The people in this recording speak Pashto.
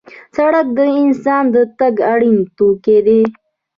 سړک د انسان د تګ اړین توکی دی.